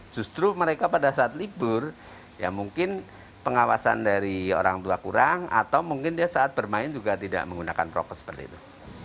justru mereka pada saat libur ya mungkin pengawasan dari orang tua kurang atau mungkin dia saat bermain juga tidak menggunakan prokes seperti itu